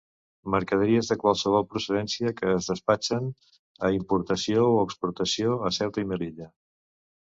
Mercaderies de qualsevol procedència que es despatxen a importació o exportació a Ceuta i Melilla.